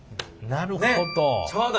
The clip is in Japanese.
なるほど。